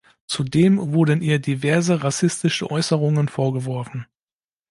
Zudem wurden ihr diverse rassistische Äußerungen vorgeworfen.